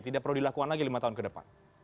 tidak perlu dilakukan lagi lima tahun ke depan